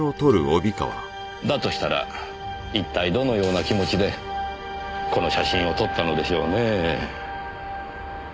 だとしたら一体どのような気持ちでこの写真を撮ったのでしょうねえ。